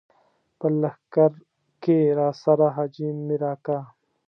په لښکر کې راسره حاجي مير اکا.